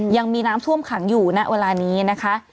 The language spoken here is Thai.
ยังมีน้ำท่วมขังอยู่ณเวลานี้นะคะ